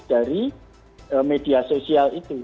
dari media sosial itu